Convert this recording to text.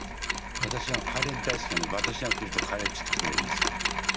私がカレー大好きなんで、私が来るとカレー作ってくれるんですよ。